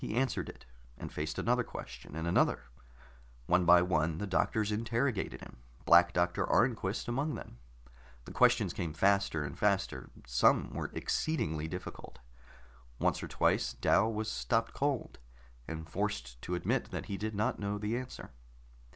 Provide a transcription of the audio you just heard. He answered it, and faced another question, and another. One by one, the doctors interrogated him, Black Doctor Arnquist among them. The questions came faster and faster; some were exceedingly difficult. Once or twice Dal was stopped cold, and forced to admit that he did not know the answer.